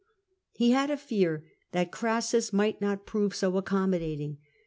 Pie had a fear that Crassus might not prove so accommodating.